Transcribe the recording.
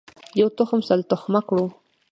یو تخم سل تخمه کړو.